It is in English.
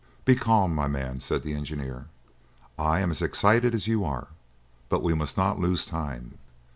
"Be calm, my man!" said the engineer. "I am as excited as you are, but we must not lose time."